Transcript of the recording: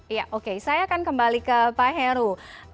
iya oke saya akan kembali ke pak heru